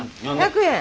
１００円。